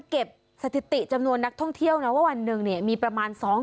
สถิติจำนวนนักท่องเที่ยวนะว่าวันหนึ่งเนี่ยมีประมาณ๒๐๐